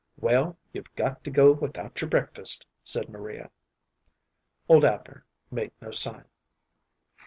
"Well, you've got to go without your breakfast," said Maria. Old Abner made no sign.